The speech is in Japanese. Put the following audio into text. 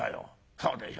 そうでしょ。